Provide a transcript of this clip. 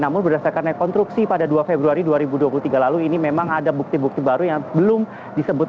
namun berdasarkan rekonstruksi pada dua februari dua ribu dua puluh tiga lalu ini memang ada bukti bukti baru yang belum disebut